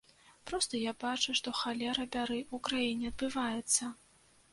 Проста я бачу, што, халера бяры, у краіне адбываецца!